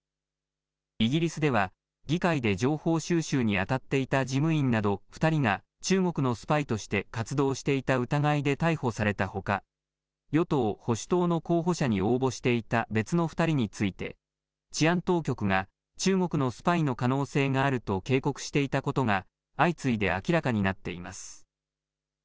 イギリスでは議会で情報収集にあたっていた事務員など２人が中国のスパイとして活動していた疑いで逮捕されたほか与党・保守党の候補者に応募していた別の２人について治安当局が中国のスパイの可能性があると警告していたことが相次いで明らかになっています。